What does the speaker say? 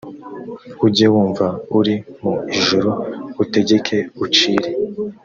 ujye wumva uri mu ijuru utegeke ucire